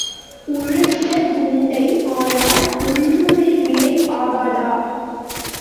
உழுகிற குண்டை ஆனால் உள்ளூரில் விலை ஆகாதா?